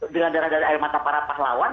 dengan darah darah air mata para pahlawan